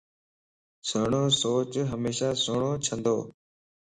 سھڻو سوچ ھميشا سھڻو ڇندو